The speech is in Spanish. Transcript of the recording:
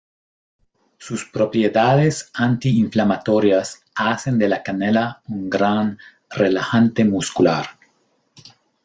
Sus propiedades antiinflamatorias hacen de la canela un gran relajante muscular.